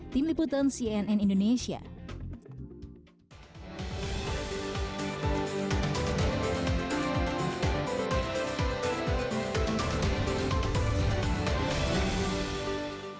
tim liputan cnn indonesia